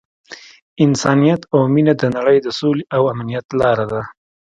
انسانیت او مینه د نړۍ د سولې او امنیت لاره ده.